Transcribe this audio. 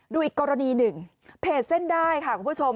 ดูอีกกรณีหนึ่งเพจเส้นได้ค่ะคุณผู้ชม